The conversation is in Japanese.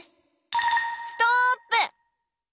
ストップ。